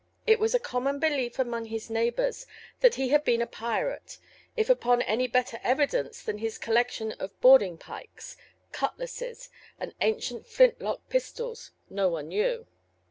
It was a common belief among his neighbors that he had been a pirateŌĆöif upon any better evidence than his collection of boarding pikes, cutlasses, and ancient flintlock pistols, no one knew.